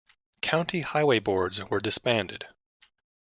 County Highway Boards were disbanded.